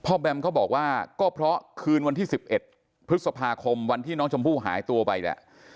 แบมเขาบอกว่าก็เพราะคืนวันที่๑๑พฤษภาคมวันที่น้องชมพู่หายตัวไปเนี่ย